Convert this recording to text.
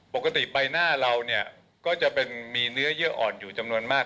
ปกติใบหน้าเราเนี่ยก็จะเป็นมีเนื้อเยื่ออ่อนอยู่จำนวนมาก